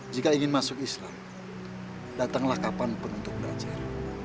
jika ingin masuk islam datanglah kapanpun untuk belajar